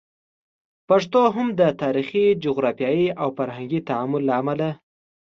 پښتو هم د تاریخي، جغرافیایي او فرهنګي تعامل له امله